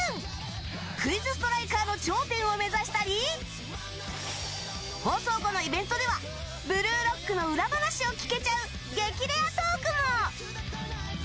クイズストライカーの頂点を目指したり放送後のイベントでは「ブルーロック」の裏話を聞けちゃう、激レアトークも。